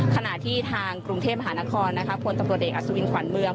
ขณะที่ทางกรุงเทพมหานครพลตำรวจเอกอัศวินขวัญเมือง